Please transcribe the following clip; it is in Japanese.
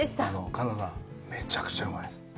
神田さん、めちゃくちゃうまいです。